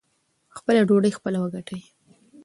خپله ډوډۍ خپله وګټئ.